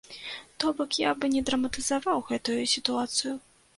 То бок, я б не драматызаваў гэтую сітуацыю.